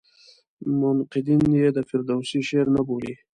منقدین یې د فردوسي شعر نه بولي.